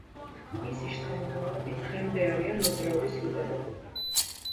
მისი შთამომავლები დღემდე არიან მოძრაობის ლიდერები.